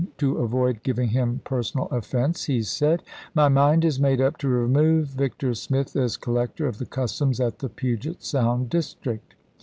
to avoid giving him personal offense, he said: "My mind is made up to remove Victor Smith as col lector of the customs at the Puget Sound district.